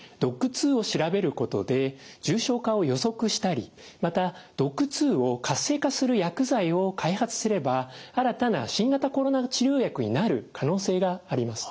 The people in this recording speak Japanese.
ＤＯＣＫ２を調べることで重症化を予測したりまたＤＯＣＫ２を活性化する薬剤を開発すれば新たな新型コロナ治療薬になる可能性があります。